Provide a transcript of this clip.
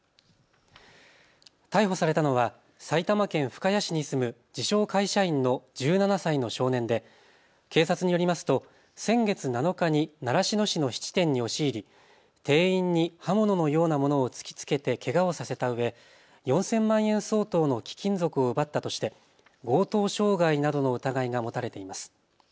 逮捕されたのは埼玉県深谷市に住む自称会社員の１７歳の少年で警察によりますと先月７日に習志野市の質店に押し入り店員に刃物のようなものを突きつけてけがをさせたうえ４０００万円相当の貴金属を奪ったとして強盗傷害などの疑いが持たれています。